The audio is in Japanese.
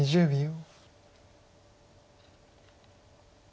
１０秒。